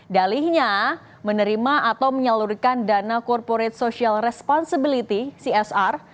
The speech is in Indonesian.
dalihnya menerima atau menyalurkan dana corporate social responsibility csr